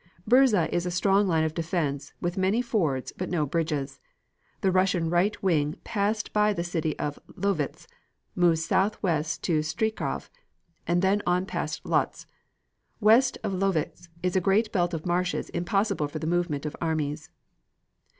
Bzura is a strong line of defense, with many fords but no bridges. The Russian right wing passed by the city of Lowicz, moved southwest to Strykov and then on past Lodz. West of Lowicz is a great belt of marshes impossible for the movement of armies.